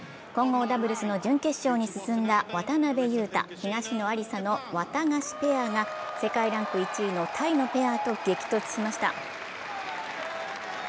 混合ダブルスの準決勝に進んだ渡辺勇大・東野有紗のワタガシペアが世界ランク１位のタイのペアと激突しました。